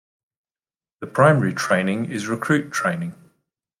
The primary training is recruit training.